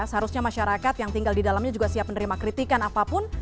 seharusnya masyarakat yang tinggal di dalamnya juga siap menerima kritikan apapun